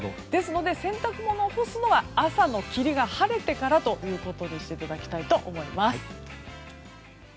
ですので、洗濯物を干すのは朝の霧が晴れてからにしていただきたいと思います。